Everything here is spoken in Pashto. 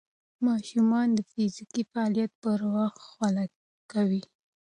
ماشومان د فزیکي فعالیت پر وخت خوله کوي.